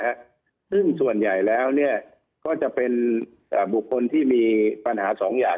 ซึ่งส่วนใหญ่แล้วก็จะเป็นบุคคลที่มีปัญหา๒อย่าง